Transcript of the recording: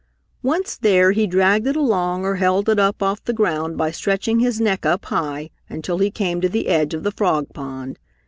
Once there, he dragged it along or held it up off the ground by stretching his neck up high until he came to the edge of the frog pond.